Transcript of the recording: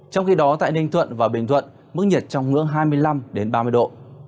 trong khi đó tại ninh thuận và bình thuận mức nhiệt trong ngưỡng hai mươi năm ba mươi độ